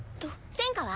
専科は？